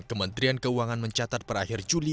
kementerian keuangan mencatat perakhir juli